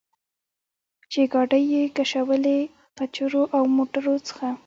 چې ګاډۍ یې کشولې، قچرو او موټرو څخه.